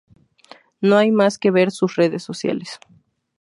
No hay más que ver sus redes sociales.